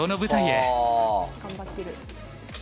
はあ！頑張ってる。